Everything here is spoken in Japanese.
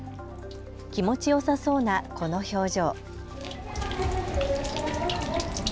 気持ちよさそうなこの表情。